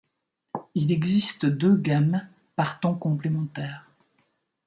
Il existe deux gammes par tons complémentaires.